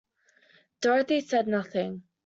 Dorothy said nothing.